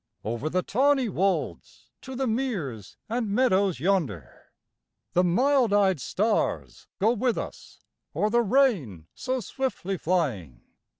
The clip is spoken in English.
Over the tawny wolds to the meres and meadows yon der; The mild eyed stars go with us, or the rain so swiftly flying.